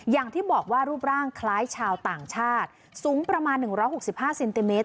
อย่างที่บอกว่ารูปร่างคล้ายชาวต่างชาติสูงประมาณหนึ่งร้อยหกสิบห้าเซนติเมตร